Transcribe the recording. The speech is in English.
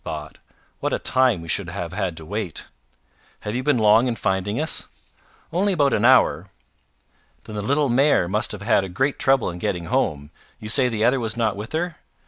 thought I. "What a time we should have had to wait!" "Have you been long in finding us?" "Only about an hour." "Then the little mare must have had great trouble in getting home. You say the other was not with her?"